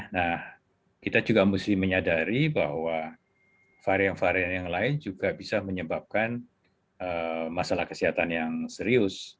nah kita juga mesti menyadari bahwa varian varian yang lain juga bisa menyebabkan masalah kesehatan yang serius